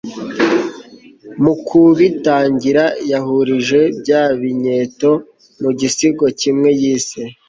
mu kubitangira yahurije bya binyeto mu gisigo kimwe yise